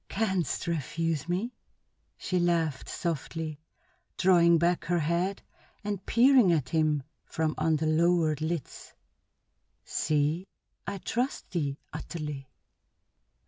"Canst refuse me?" she laughed softly, drawing back her head and peering at him from under lowered lids. "See, I trust thee utterly!"